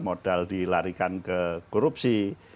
modal dilarikan ke korupsi